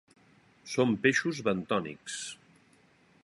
Són peixos bentònics.